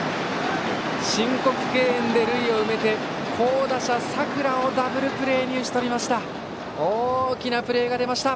申告敬遠で塁を埋めて好打者の佐倉をダブルプレーに打ち取りました。